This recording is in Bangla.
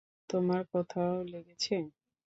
তোমার কোথাও লেগেছে?